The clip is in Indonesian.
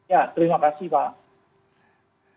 ya terima kasih pak